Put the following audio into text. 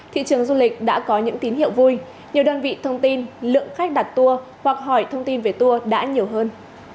thị trường du lịch đã có những tín hiệu vui nhiều đơn vị thông tin lượng khách đặt tour hoặc hỏi thông tin về tour đã nhiều hơn